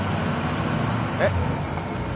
えっ？